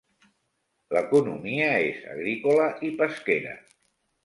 L'economia és agrícola i pesquera.